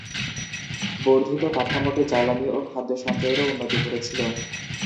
বর্ধিত কাঠামোটি জ্বালানি ও খাদ্য সঞ্চয়েরও উন্নতি করেছিল।